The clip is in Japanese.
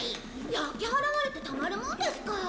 焼き払われてたまるもんですか！